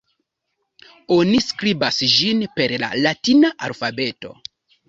Oni skribas ĝin per la latina alfabeto.